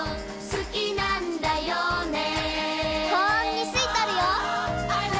「好きなんだよね？」